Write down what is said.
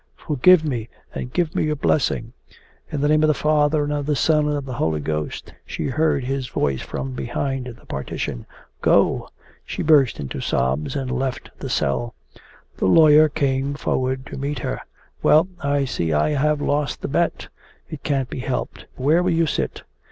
'Forgive me and give me your blessing!' 'In the name of the Father and of the Son and of the Holy Ghost!' she heard his voice from behind the partition. 'Go!' She burst into sobs and left the cell. The lawyer came forward to meet her. 'Well, I see I have lost the bet. It can't be helped. Where will you sit?